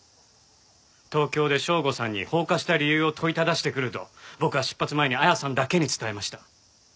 東京で省吾さんに放火した理由を問いただしてくると僕は出発前に彩さんだけに伝えました。